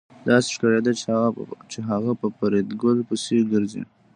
داسې ښکارېده چې هغه په فریدګل پسې ګرځي